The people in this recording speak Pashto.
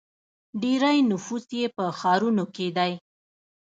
ډیری نفوس یې په ښارونو کې دی.